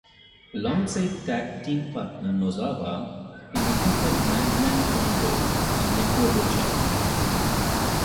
Alongside tag team partner Nosawa, he defeated Mad Man Pondo and Necro Butcher.